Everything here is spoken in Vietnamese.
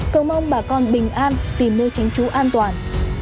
cầu mong bà con bình an tìm nơi tránh trú an toàn